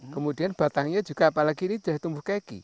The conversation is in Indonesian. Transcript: kemudian batangnya juga apalagi ini sudah tumbuh keki